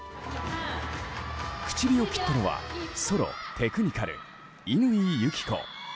口火を切ったのはソロテクニカル、乾友紀子。